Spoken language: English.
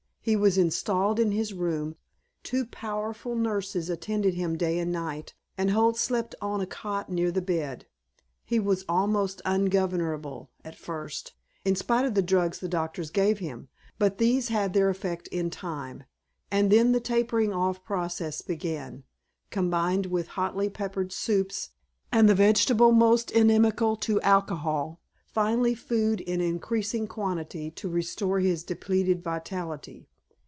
He was installed in his room, two powerful nurses attended him day and night, and Holt slept on a cot near the bed. He was almost ungovernable at first, in spite of the drugs the doctor gave him, but these had their effect in time; and then the tapering off process began, combined with hotly peppered soups and the vegetable most inimical to alcohol; finally food in increasing quantity to restore his depleted vitality.